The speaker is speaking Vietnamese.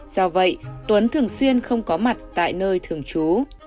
do vậy tuấn thường xuyên không có mặt tại nơi thường trú